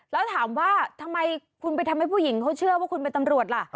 แล้วถามว่าทำไมคุณไปทำให้ผู้หญิงเขาเชื่อว่าคุณเป็นตำรวจล่ะ